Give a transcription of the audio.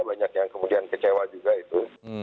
banyak yang kemudian kecewa juga itu